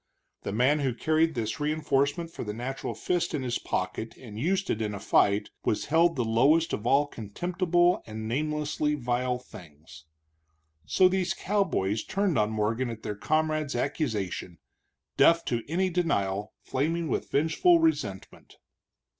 The man who carried this reenforcement for the natural fist in his pocket and used it in a fight was held the lowest of all contemptible and namelessly vile things. So, these Texas cowboys turned on Morgan at their comrade's accusation, deaf to any denial, flaming with vengeful resentment.